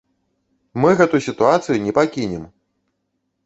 Мы гэту сітуацыю не пакінем!